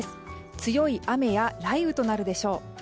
強い雨や雷雨となるでしょう。